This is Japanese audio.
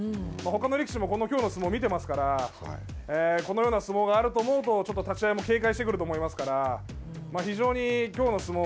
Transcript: ほかの力士も、このきょうの相撲を見ていますからこのような相撲があると思うとちょっと立ち合いも警戒してくると思いますから。